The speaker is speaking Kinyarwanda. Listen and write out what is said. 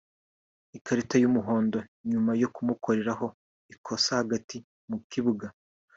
ikarita y’umuhondo nyuma yo kumukoreraho ikosa hagati mu kibuga